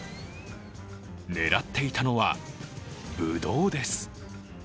狙っていたのは、ぶどうです。